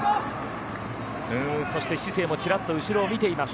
そして、シセイもちらっと後ろを見ています。